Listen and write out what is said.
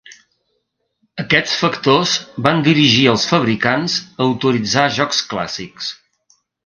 Aquests factors van dirigir els fabricants a autoritzar jocs clàssics.